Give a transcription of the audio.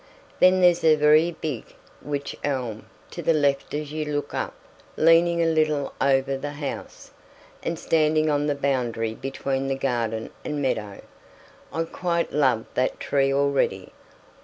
Then there's a very big wych elm to the left as you look up leaning a little over the house, and standing on the boundary between the garden and meadow. I quite love that tree already.